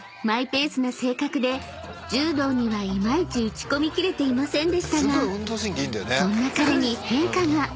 ［マイペースな性格で柔道にはいまいち打ち込み切れていませんでしたがそんな彼に変化が］